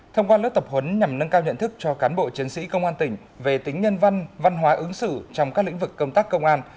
thông qua lớp tập huấn nhằm nâng cao nhận thức cho cán bộ chiến sĩ công an tỉnh về tính nhân văn văn hóa ứng xử trong các lĩnh vực công tác công an